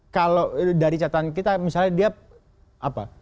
kalau dari catatan kita misalnya dia apa